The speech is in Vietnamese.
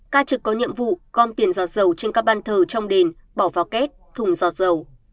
ca trực có nhiệm vụ gom tiền giọt dầu trên các ban thờ trong đền bỏ vào két thùng giọt dầu